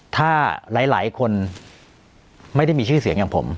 ถ้าหลายคนไม่ได้มีชื่อเสียงอย่างผม